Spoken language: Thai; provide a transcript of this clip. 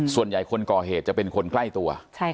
ส่วนใหญ่คนก่อเหตุจะเป็นคนใกล้ตัว